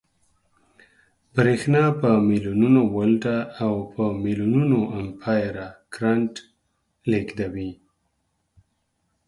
برېښنا په ملیونونو ولټه او په ملیونونو امپیره کرنټ لېږدوي